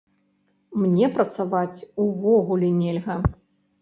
Мне працаваць увогуле нельга.